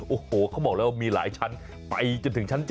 โอ้โหเขาบอกแล้วมีหลายชั้นไปจนถึงชั้น๗